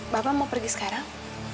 bapak mau pergi sekarang